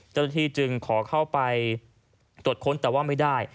เจ้าหน้าที่จึงขอเข้าไปตรวจค้นแต่ว่าไม่ได้